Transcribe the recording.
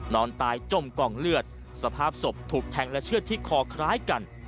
นอนตายจมกองเลือดสภาพศพถูกแทงและเชื่อดที่คอคล้ายกัน